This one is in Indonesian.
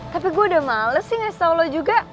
tapi gue udah males sih ngesel lo juga